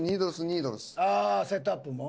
ああセットアップも？